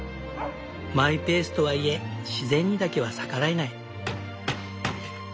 マイペースとはいえ自然にだけは逆らえない。